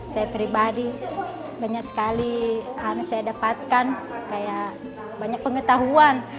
saya pribadi banyak sekali saya dapatkan kayak banyak pengetahuan